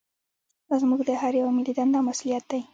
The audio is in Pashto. دا زموږ د هر یوه ملي دنده او مسوولیت دی